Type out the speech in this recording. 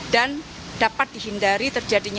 dapat dihindari terjadinya